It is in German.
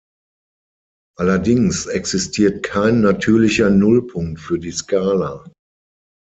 Allerdings existiert kein natürlicher Nullpunkt für die Skala.